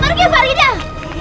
jangan pergi faridah